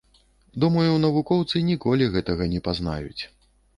Думаю, навукоўцы ніколі гэтага не пазнаюць.